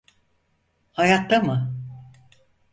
Hayatta mı?